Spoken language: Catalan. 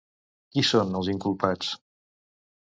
Qui són els inculpats?